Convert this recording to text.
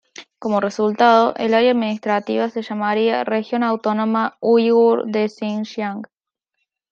Como resultado, el área administrativa se llamaría "Región Autónoma Uigur de Xinjiang".